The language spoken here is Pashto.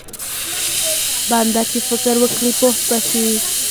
بنده چې فکر وکړي پوه به شي.